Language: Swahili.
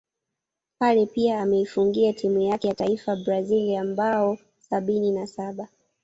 Pele pia ameifungia timu yake yataifa ya Brazil mabao sabini na Saba